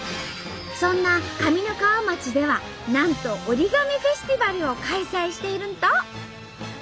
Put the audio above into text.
そんな上三川町ではなんとＯＲＩＧＡＭＩフェスティバルを開催しているんと！